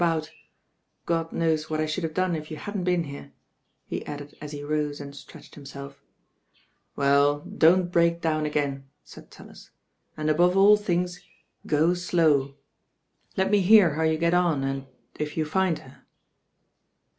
y^ THE BAIN OIRL God knonv what I should have done if you hadn*t been here," he added at he roM and stretched him self. "WeU, don't break down again," saidTaUis, "and above all things go slow. Let me hear how you get on and— if you find her."